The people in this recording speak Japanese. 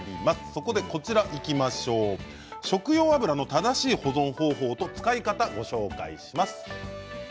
そこで食用油の正しい保存方法と使い方をご紹介します。